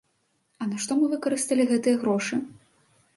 А на што мы выкарысталі гэтыя грошы?